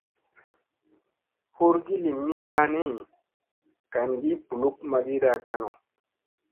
Hurgi lii mina ni, gangi ɓuluk magiɗa kanu.